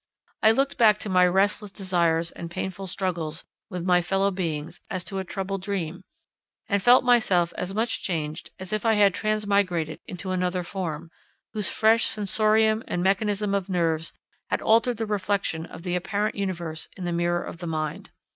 I looked back to my restless desires and painful struggles with my fellow beings as to a troubled dream, and felt myself as much changed as if I had transmigrated into another form, whose fresh sensorium and mechanism of nerves had altered the reflection of the apparent universe in the mirror of mind.